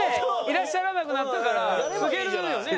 いらっしゃらなくなったから継げるよね。